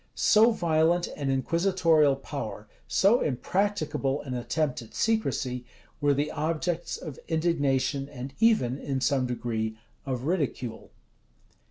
[*] So violent an inquisitorial power, so impracticable an attempt at secrecy, were the objects of indignation, and even, in some degree, of ridicule.